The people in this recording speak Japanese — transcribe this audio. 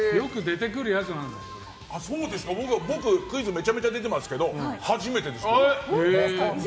僕、クイズめちゃくちゃ出てますけど初めてです。